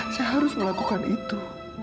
saya harus melakukan itu